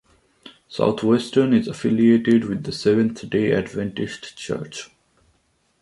Southwestern is affiliated with the Seventh-day Adventist Church.